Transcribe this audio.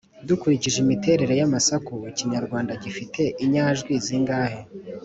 dukurikije imiterere y’amasaku ikinyarwanda gifite inyajwi zingahe